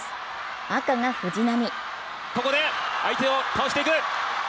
赤が藤波。